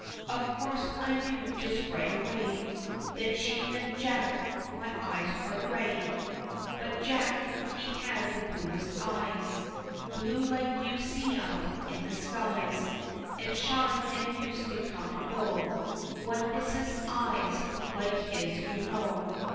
Of course I knew just right away That she meant Jack my eyes are grey But Jack, he had the bluest eyes, Blue like you see up in the skies, An' shine that used to come and go One misses eyes like his you know.